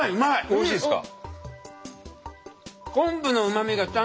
おいしいですか？